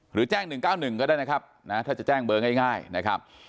หรือแจ้ง๑๙๑ก็ได้นะครับนะถ้าจะแจ้งเบอร์ง่ายนะครับ